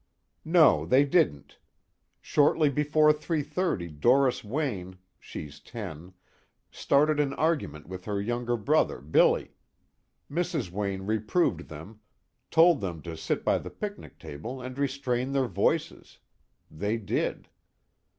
"No, they didn't. Shortly before 3:30 Doris Wayne she's ten started an argument with her younger brother Billy. Mrs. Wayne reproved them, told them to sit by the picnic table and restrain their voices. They did."